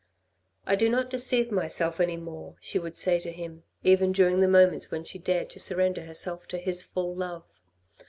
" I do not deceive myself any more," she would say to him, even during the moments when she dared to surrender herself to his full love.